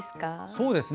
そうですね。